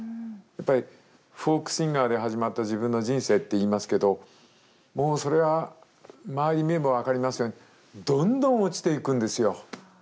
やっぱりフォークシンガーで始まった自分の人生って言いますけどもうそれは周り見れば分かりますようにどんどん落ちていくんですよ。